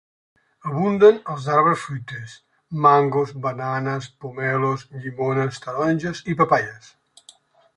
Abunden els arbres fruiters: mangos, bananes, pomelos, llimones, taronges i papaies.